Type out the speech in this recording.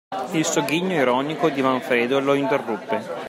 Il sogghigno ironico di Manfredo lo interruppe.